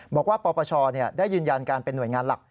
ปปชได้ยืนยันการเป็นหน่วยงานหลัก